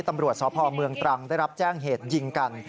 ตำรวจสพเมืองตรังได้รับแจ้งเหตุยิงกัน